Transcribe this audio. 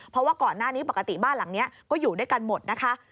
เพราะว่าก่อนหน้านี้ปกติบ้านหลังนี้ก็อยู่ด้วยกันหมดนะคะ